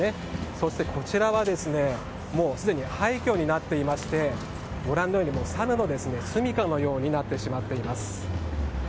そして、こちらはすでに廃虚になっていましてご覧のようにサルのすみかのようになってしまっています。